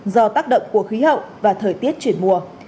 do tác động của khí hậu và thời tiết chuyển mùa